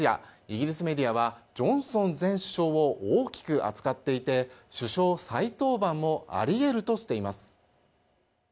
イギリスメディアはジョンソン前首相を大きく扱っていて首相再登板もあり得るとしています。